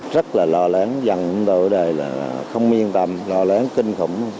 rất là lo lắng dặn đổi đời là không yên tâm lo lắng kinh khủng